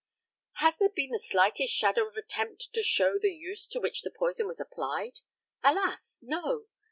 Has there been the slightest shadow of attempt to show the use to which the poison was applied? Alas! no.